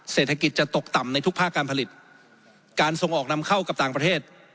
เศรษฐกิจจะตกต่ำในทุกภาคการผลิตการส่งออกนำเข้ากับต่างประเทศ